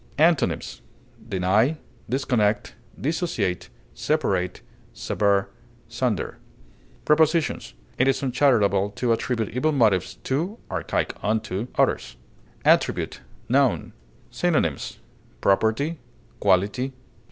Antonyms: deny, disconnect, dissociate, separate, sever, sunder. Prepositions: It is uncharitable to attribute evil motives to (archaic unto) others. ATTRIBUTE, n. Synonyms: property, quality.